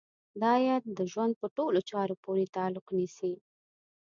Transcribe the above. دا ايت د ژوند په ټولو چارو پورې تعلق نيسي.